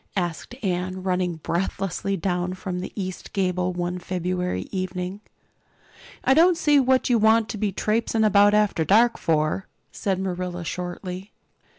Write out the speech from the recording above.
asked Anne, running breathlessly down from the east gable one February evening. "I don't see what you want to be traipsing about after dark for," said Marilla shortly.